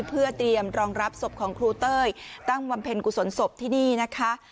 เพื่อเตรียมรองรับศพของครูเต้ยตั้งบำเพ็ญกุศลศพที่นี่นะคะ